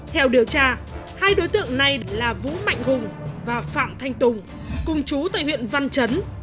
theo điều tra hai đối tượng này là vũ mạnh hùng và phạm thanh tùng cùng chú tại huyện văn chấn